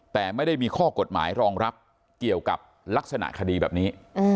แต่ไม่ได้มีข้อกฎหมายรองรับเกี่ยวกับลักษณะคดีแบบนี้